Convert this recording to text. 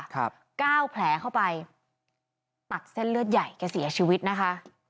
เก้าแผลเข้าไปตักเส้นเลือดใหญ่แกเสียชีวิตนะคะ